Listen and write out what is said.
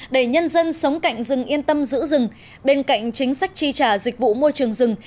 để nhân dân sống cạnh rừng yên tâm giữ rừng bên cạnh chính sách tri trả dịch vụ môi trường rừng